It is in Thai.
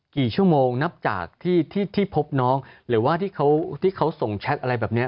กี่ชั่วโมงนับจากที่ที่พบน้องหรือว่าที่เขาที่เขาส่งแชทอะไรแบบนี้